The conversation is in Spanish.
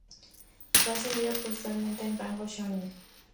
Fue ascendido póstumamente al rango "shōnii".